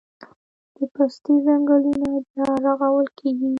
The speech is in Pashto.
د پستې ځنګلونه بیا رغول کیږي